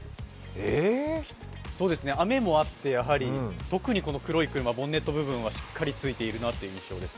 雨もあって、特にこの黒い車ボンネット部分はしっかりついているなという印象です。